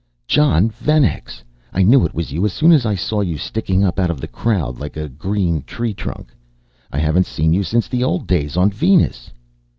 "Jon Venex! I knew it was you as soon as I saw you sticking up out of this crowd like a green tree trunk. I haven't seen you since the old days on Venus!"